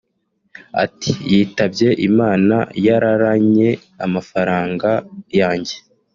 Ati “Yitabye Imana yararanye amafaranga yanjye